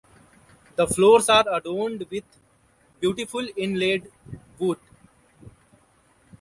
The floors are adorned with beautiful inlaid wood.